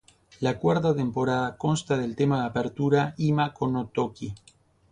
La Cuarta temporada consta del tema de apertura "Ima, Kono Toki.